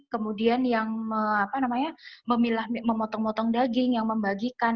kemudian yang memilah memotong motong daging yang membagikan